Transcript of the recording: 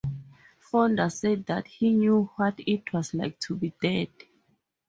Fonda said that he knew what it was like to be dead.